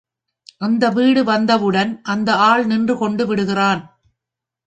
அந்த வீடு வந்தவுடன், அந்த ஆள் நின்று கொண்டுவிடுகிறான்.